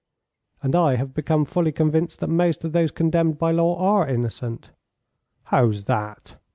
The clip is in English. "And I have become fully convinced that most of those condemned by law are innocent." "How's that?"